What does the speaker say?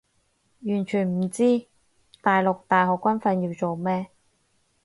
完全唔知大陸大學軍訓要做咩